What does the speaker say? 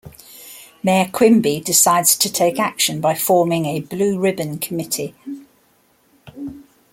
Mayor Quimby decides to take action by forming a Blue Ribbon Committee.